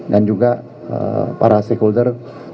dan juga para stakeholder